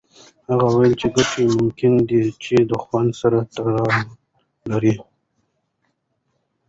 هغه وویل چې ګټې ممکنه ده چې د خوند سره تړاو ولري.